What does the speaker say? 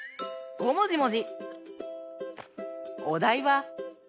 ごもじもじ！